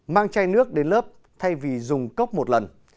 mang chai nước đến lớp thay vì dùng cốc một lần